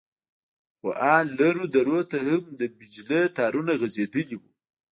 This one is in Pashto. خو ان لرو درو ته هم د بجلي تارونه غځېدلي وو.